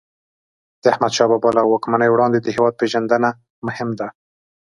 د احمدشاه بابا له واکمنۍ وړاندې د هیواد پېژندنه مهم ده.